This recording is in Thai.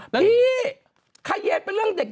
พี่เขยเป็นเรื่องเด็ก